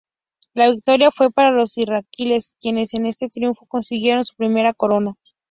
La victoria fue para los iraquíes quienes con este triunfo consiguieron su primera corona.